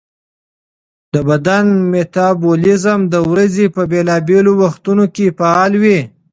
د بدن میټابولیزم د ورځې په بېلابېلو وختونو کې فعال وي.